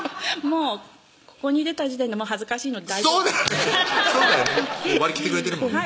もうここに出た時点で恥ずかしいので大丈夫ですそうだよね